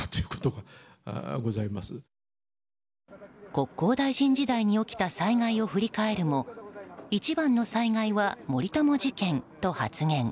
国交大臣時代に起きた災害を振り返るも一番の災害は森友事件と発言。